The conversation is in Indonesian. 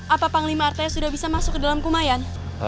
apa panglima arte sudah bisa masuk ke dalam kumayan